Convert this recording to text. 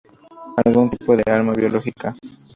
algún tipo de arma biológica